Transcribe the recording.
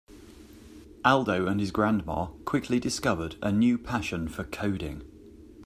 Aldo and his grandma quickly discovered a new passion for coding.